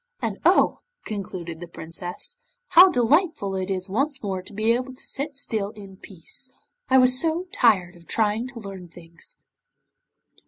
And oh!' concluded the Princess, 'how delightful it is once more to be able to sit still in peace. I was so tired of trying to learn things.